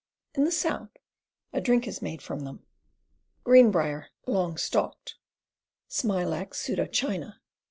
In the South a drink is made from them. Greenbeier, Long Stalked. Smilax Pseudo China.